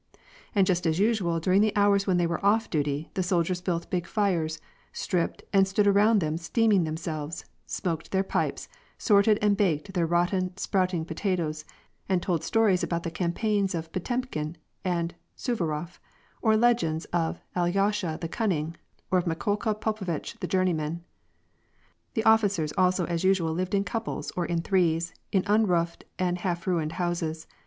And just as usual during the hours when they were off duty, the soldiers built big fires, stripped and stood around them steaming themselves, smoked their pipes, sorted and baked their rotten, sprouting potatoes, and told stories about the campaigns of Patemkin and Suvarof, or legends of Alyosha the Cunning, or of Mikol ka Popov itch the Journeyman. The officers also as usual lived in couples, or in threes, in unroofed and half ruined houses.